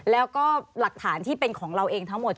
แล้วก็หลักฐานที่เป็นของเราเองทั้งหมด